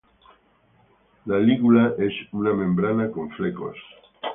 La lígula es una membrana con flecos.